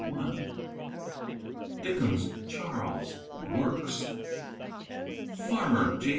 | a Dickens (Charles).—Works. . a Farmer (J.